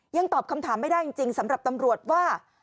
ตอบคำถามไม่ได้จริงสำหรับตำรวจว่า